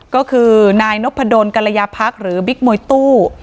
ก็คือนายนพดลกรยาพักหรือบิ๊กมวยตู้